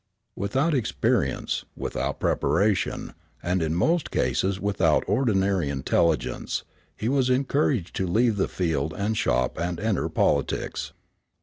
Without experience, without preparation, and in most cases without ordinary intelligence, he was encouraged to leave the field and shop and enter politics.